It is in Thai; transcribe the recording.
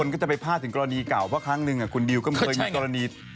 ก็เป็นเด็กต้องเหมือน